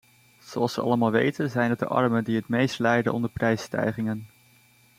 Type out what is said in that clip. Zoals we allemaal weten zijn het de armen die het meest lijden onder prijsstijgingen.